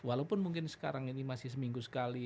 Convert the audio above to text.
walaupun mungkin sekarang ini masih seminggu sekali